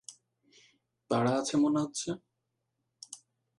তাড়া আছে মনে হচ্ছে?